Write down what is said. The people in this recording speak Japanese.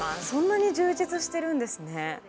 そんなに充実してるんですね。